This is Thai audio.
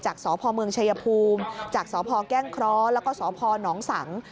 สพเมืองชายภูมิจากสพแก้งเคราะห์แล้วก็สพนสัง